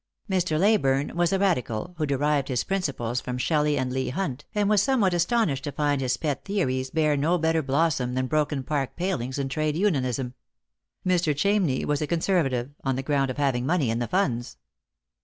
Mr. Leyburne was a Eadical, who derived his principles from Shelley and Leigh Hunt, and was somewhat astonished to find his pet theories bear no better blossom than broken park palings and trade unionism ; Mr. Chamney was a Conservative, on the ground of having money in the Funds.